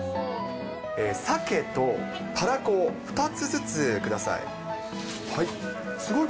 さけとたらこを２つずつ下さい。